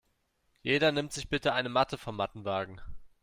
Jeder nimmt sich bitte eine Matte vom Mattenwagen.